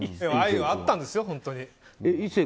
愛はあったんですよ、本当に。